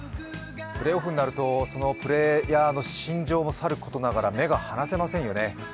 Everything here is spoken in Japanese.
プレーオフになると、そのプレーヤーの心情もさることながら目が離せませんよね